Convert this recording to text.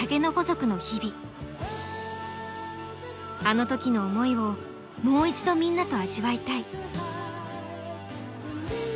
あの時の思いをもう一度みんなと味わいたい。